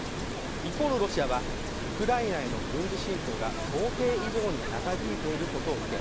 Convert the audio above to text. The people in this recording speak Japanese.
一方のロシアは、ウクライナへの軍事侵攻が想定以上に長引いていることを受け